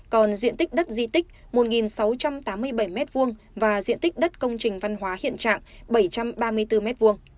còn diện tích đất di tích một sáu trăm tám mươi bảy m hai và diện tích đất công trình văn hóa hiện trạng bảy trăm ba mươi bốn m hai